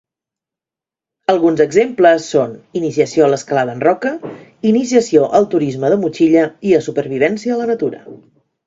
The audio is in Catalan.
Alguns exemples són: iniciació a l'escalada en roca, iniciació al turisme de motxilla i a supervivència a la natura.